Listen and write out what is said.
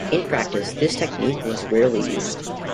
In practice this technique was rarely used.